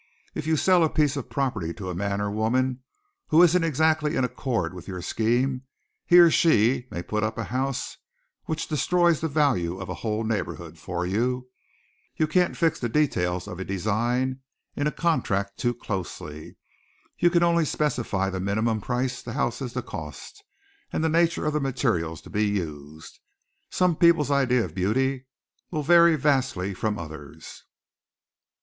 If you sell a piece of property to a man or woman who isn't exactly in accord with your scheme, he or she may put up a house which destroys the value of a whole neighborhood for you. You can't fix the details of a design in a contract too closely. You can only specify the minimum price the house is to cost and the nature of the materials to be used. Some people's idea of beauty will vary vastly from others.